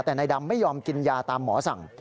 แต่นายดำไม่ยอมกินยาตามหมอสั่ง